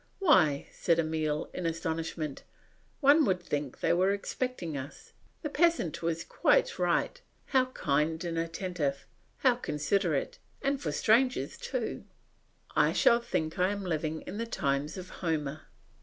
"Why," said Emile, in astonishment, "one would think they were expecting us. The peasant was quite right; how kind and attentive, how considerate, and for strangers too! I shall think I am living in the times of Homer."